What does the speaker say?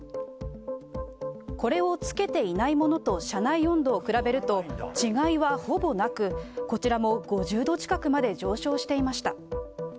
これをつけていないものと車内温度を比べると、違いはほぼなく、こちらも５０度近くまで上昇していました。